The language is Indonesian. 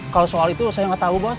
kalau soal itu saya nggak tahu bos